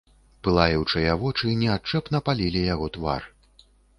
Палаючыя вочы неадчэпна палілі яго твар.